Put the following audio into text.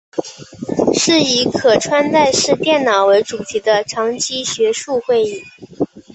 是以可穿戴式电脑为主题的长期学术会议。